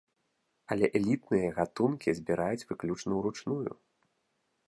Але элітныя гатункі збіраюць выключна ўручную.